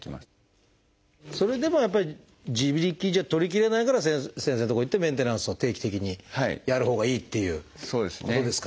それでもやっぱり自力じゃ取りきれないから先生の所行ってメンテナンスを定期的にやるほうがいいっていうことですかね。